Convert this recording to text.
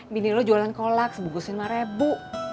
bini lo jualan kolaks bugusin sama rebu